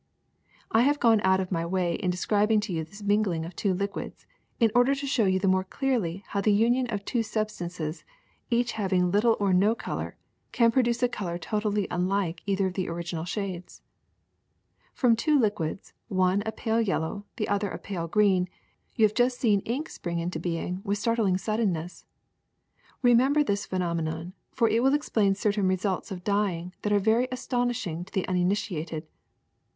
I have gone out of my way in describing to you this mingling of two liquids in order to show you the more clearly how the union of two substances, each having little or no color, can produce a color totally unlike either of the original shades. From two liquids, one a pale yel low, the other a pale green, you have ,iust seen ink spring into being with startling suddenness. Re member this phenomenon, for it will explain certain results of dyeing that are very astonishing to the un initiated.